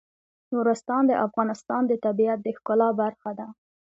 نورستان د افغانستان د طبیعت د ښکلا برخه ده.